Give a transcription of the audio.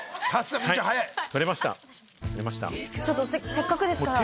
せっかくですから先に。